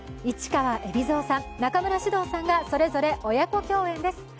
市川海老蔵さん、中村獅童さんがそれぞれ親子共演です。